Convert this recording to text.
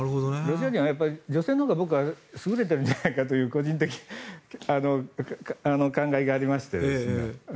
ロシア人は女性のほうが僕は優れてるんじゃないかという個人的考えがありまして。